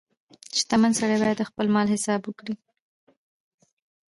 • شتمن سړی باید د خپل مال حساب وکړي.